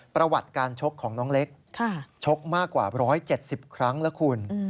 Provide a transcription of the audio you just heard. ประวัติการชกของน้องเล็กชกมากกว่า๑๗๐ครั้งแล้วคุณ